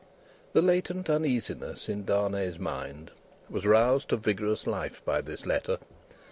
The latent uneasiness in Darnay's mind was roused to vigourous life by this letter.